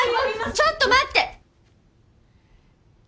ちょっと待って！